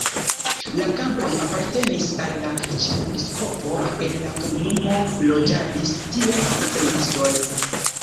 La kampoj apartenis al la ĉefepiskopo, en la komunumo loĝadis ties servistoj.